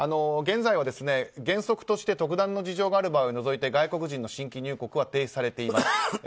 現在は原則として特段の事情がある場合を除いて外国人の新規入国は停止されています。